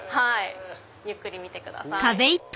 ゆっくり見てください。